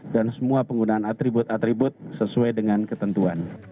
dan semua penggunaan atribut atribut sesuai dengan ketentuan